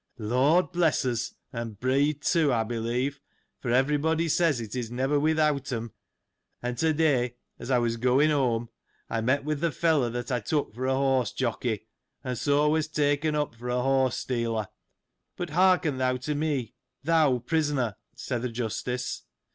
^ Lord bless us ! and breed, too, I believe, for every body says it is never without 'em, and to day, as I was going home, I met with the fellow, that I took for a horse jockey ; and so was taken up for a horse stealer. But hearken thou to me ; thou prisoner, said th' Justice.